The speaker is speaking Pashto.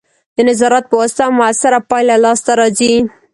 د نظارت په واسطه مؤثره پایله لاسته راځي.